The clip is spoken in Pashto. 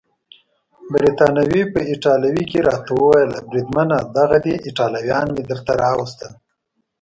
بریتانوي په ایټالوي کې راته وویل: بریدمنه دغه دي ایټالویان مې درته راوستل.